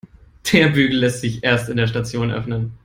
Der Bügel lässt sich erst in der Station öffnen.